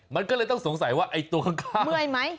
มันก็เลยต้องสงสัยว่าไอ้ตัวข้างเมื่อยไหม